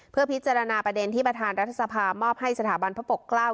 เพื่อพิจารณาประเด็นที่ประธานรัฐสภามอบให้สถาบันพระปกเกล้า